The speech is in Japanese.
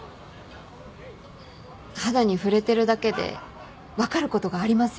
肌に触れてるだけで分かることがありますよね。